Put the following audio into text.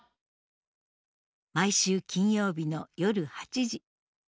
毎週金曜日の夜８時。